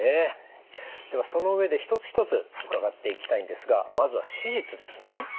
ではその上で一つ一つ伺っていきたいんですがまずは手術ですね。